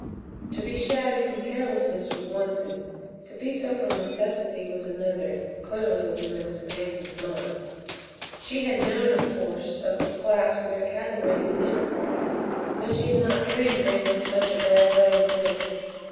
To be shabby from carelessness was one thing to be so from necessity was another, clearly was in Mrs. Pantin's mind. She had known, of course, of the collapse of their cattle raising enterprise, but she had not dreamed they were in such a bad way as this.